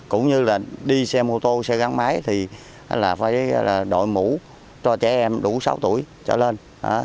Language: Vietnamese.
cũng như là đi xe mô tô xe gắn máy thì là phải đội mũ cho trẻ em đủ sáu tuổi trở lên